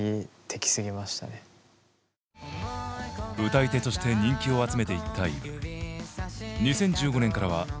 歌い手として人気を集めていったＥｖｅ。